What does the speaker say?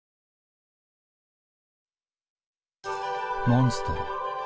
モンストロ。